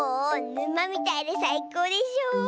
ぬまみたいでさいこうでしょ。